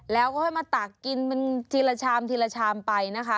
แล้วก็ให้มาตักกินมันทีละชามทีละชามไปนะคะ